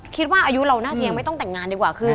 คิดว่าอายุเราน่าจะยังไม่ต้องแต่งงานดีกว่าขึ้น